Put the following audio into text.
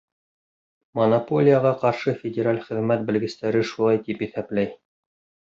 Монополияға ҡаршы федераль хеҙмәт белгестәре шулай тип иҫәпләй